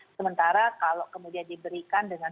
sementara kalau kemudian diberikan dengan